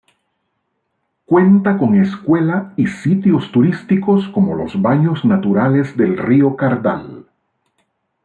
Cuenta con escuela y sitios turísticos como los baños naturales del Río Cardal.